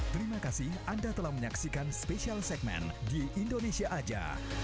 terima kasih anda telah menyaksikan special segmen di indonesia aja